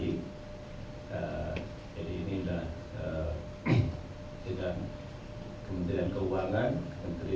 jadi ini sudah dengan kementerian keuangan kementerian